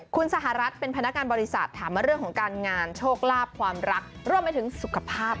คุณสหรัฐเป็นพนักงานบริษัทถามมาเรื่องของการงานโชคลาภความรักรวมไปถึงสุขภาพ